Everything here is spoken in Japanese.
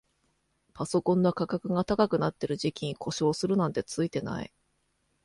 パソコンの価格が高くなってる時期に故障するなんてツイてない